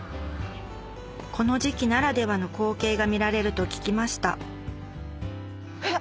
この時期ならではの光景が見られると聞きましたえっ？